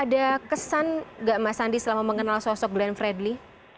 ada kesan nggak mas andi selama mengenal sosok glenn fredly